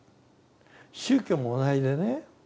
宗教も同じでね